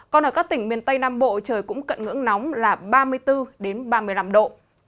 còn ở các tỉnh miền tây nam bộ trời cũng cận ngưỡng nóng là ba mươi bốn ba mươi năm độ